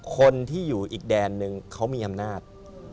คนที่อยู่อีกแดนนึงเขามีอำนาจ